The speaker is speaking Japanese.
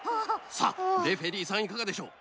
さあレフェリーさんいかがでしょう？